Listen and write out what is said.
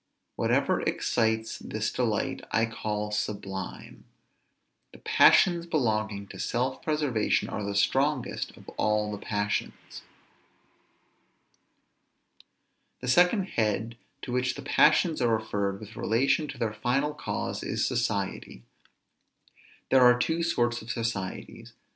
Whatever excites this delight, I call sublime. The passions belonging to self preservation are the strongest of all the passions. The second head to which the passions are referred with relation to their final cause, is society. There are two sorts of societies.